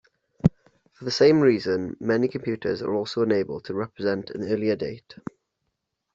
For the same reason, many computers are also unable to represent an earlier date.